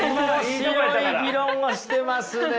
面白い議論をしてますね。